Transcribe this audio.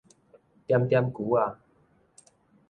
點點龜仔